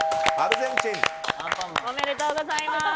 おめでとうございます。